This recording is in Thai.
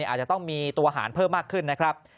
อาจจะต้องมีตัวหารเพิ่มมากขึ้นนะครับ